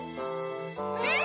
うん！